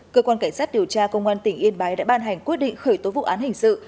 cơ quan cảnh sát điều tra công an tỉnh yên bái đã ban hành quyết định khởi tố vụ án hình sự